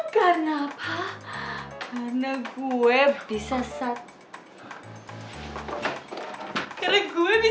dan sesaat lagi